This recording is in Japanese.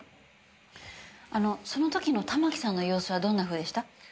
あのその時の玉木さんの様子はどんなふうでした？